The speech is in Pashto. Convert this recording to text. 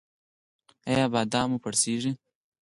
ایا بادام مو پړسیږي؟